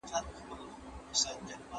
پښتنو که رهبر غواړئ دا مو وار دی